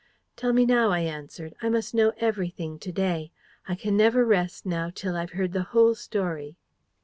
"Tell me now," I answered. "I must know everything to day. I can never rest now till I've heard the whole story."